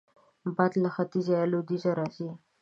باد له ختیځ یا لوېدیځه راځي